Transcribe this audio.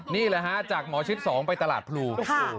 นี่แหละฮะจากหมอชิด๒ไปตลาดพลู